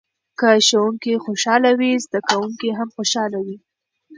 که ښوونکی خوشحاله وي زده کوونکي هم خوشحاله وي.